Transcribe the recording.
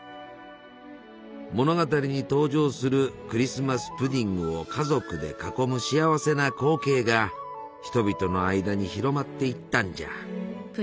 物語に登場するクリスマス・プディングを家族で囲む幸せな光景が人々の間に広まっていったんじゃ。